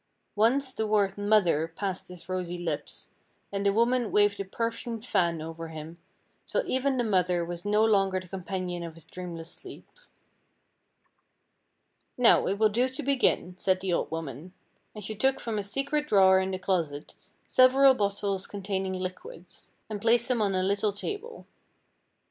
Once the word "mother" passed his rosy lips, and the woman waved a perfumed fan over him, till even the mother was no longer the companion of his dreamless sleep. "Now, it will do to begin," said the old woman, and she took from a secret drawer in the closet several bottles containing liquids, and placed them on a little table.